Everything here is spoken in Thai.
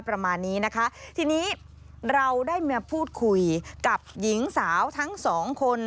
ประมาณนี้นะคะทีนี้เราได้มาพูดคุยกับหญิงสาวทั้งสองคน